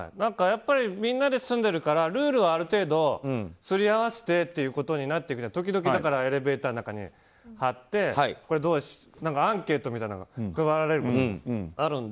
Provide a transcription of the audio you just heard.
みんなで住んでいるからルールはある程度すり合わせてっていうことになってて、時々エレベーターの中に貼ってアンケートみたいなものが配られることもあるので。